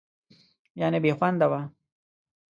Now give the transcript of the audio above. یعنې بېخونده وه.